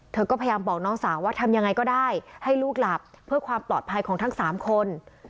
เธอก็พยายามบอกน้องสาวว่าทำยังไงก็ได้ให้ลูกหลับเพื่อความปลอดภัยของทั้ง๓คน